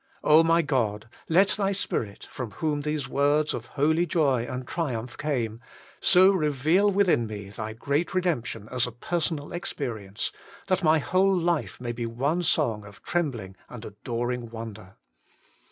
my God ! let Thy Spirit, from whom these words of holy joy and triumph came, so reveal within me the great redemption as a personal experience, that my whole life may be one song of trembling and adoring wonder.